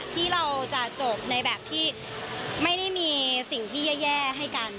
ที่เราจะจบในแบบที่ไม่ได้มีสิ่งที่แย่ให้กัน